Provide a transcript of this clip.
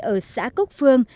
ở xã cốc phương